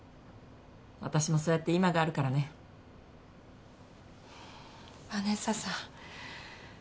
私もそうやって今があるからねヴァネッサさん